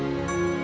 pesan yang favorite